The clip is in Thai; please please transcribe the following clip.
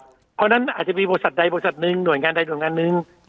เพราะฉะนั้นอาจจะมีบริษัทใดบริษัทหนึ่งหน่วยงานใดหน่วยงานหนึ่ง